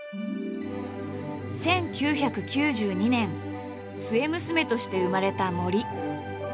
１９９２年末娘として生まれた森。